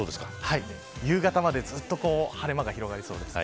夕方までずっと晴れ間が広がりそうです。